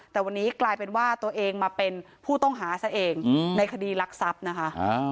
แต่วันนี้กลายเป็นว่าตัวเองมาเป็นผู้ต้องหาซะเองในคดีรักทรัพย์นะคะ